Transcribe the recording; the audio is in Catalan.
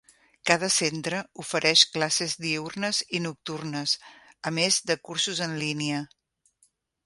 Cada centre ofereix classes diürnes i nocturnes, a més de cursos en línia.